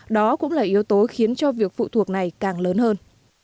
đó cũng là yếu tố khiến cho việc phụ thuộc này càng lớn hơn